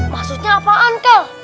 maksudnya apaan kak